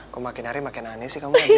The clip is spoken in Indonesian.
kok makin hari makin aneh sih kamu